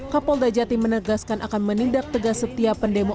kapolda jati menegaskan akan menindak tegas setiap pendemo